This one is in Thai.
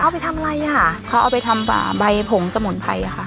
เอาไปทำอะไรอ่ะเขาเอาไปทำฝ่าใบผงสมุนไพรค่ะ